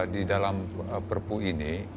di dalam perpu ini